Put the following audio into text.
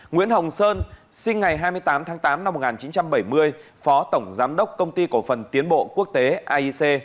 nguyễn hồng sơn sinh ngày hai mươi tám tháng tám năm một nghìn chín trăm bảy mươi phó tổng giám đốc công ty cổ phần tiến bộ quốc tế aic